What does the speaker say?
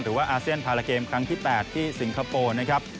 อาเซียนพาราเกมครั้งที่๘ที่สิงคโปร์นะครับ